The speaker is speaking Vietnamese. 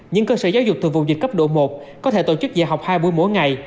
những cơ sở giáo dục từ vùng dịch cấp độ một có thể tổ chức dạy học hai buổi mỗi ngày